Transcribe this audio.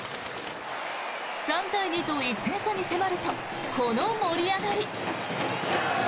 ３対２と１点差に迫るとこの盛り上がり。